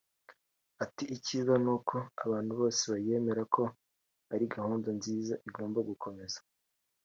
Ati “Icyiza n’uko abantu bose bayemera ko ari gahunda nziza igomba gukomeza